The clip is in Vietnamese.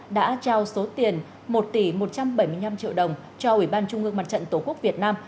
đã trao số tiền một tỷ một trăm bảy mươi năm triệu đồng cho ủy ban trung ương mặt trận tổ quốc việt nam